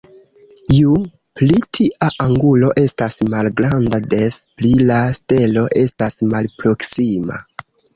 Ju pli tia angulo estas malgranda, des pli la stelo estas malproksima.